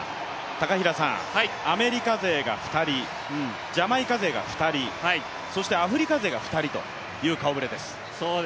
高平さん、アメリカ勢が２人、ジャマイカ勢が２人、そしてアフリカ勢が２人という顔ぶれです。